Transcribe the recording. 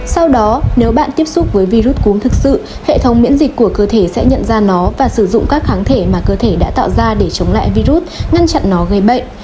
sau đó nếu bạn tiếp xúc với virus cúm thực sự hệ thống miễn dịch của cơ thể sẽ nhận ra nó và sử dụng các kháng thể mà cơ thể đã tạo ra để chống lại virus ngăn chặn nó gây bệnh